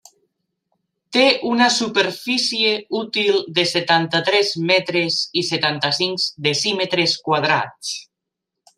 Té una superfície útil de setanta-tres metres i setanta-cinc decímetres quadrats.